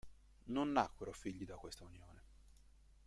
Non nacquero figli da questa unione.